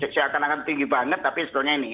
seakan akan tinggi banget tapi sebetulnya ini